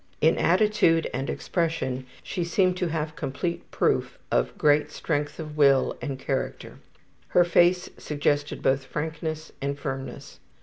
In attitude and expression she seemed to give complete proof of great strength of will and character. Her face suggested both frankness and firmness.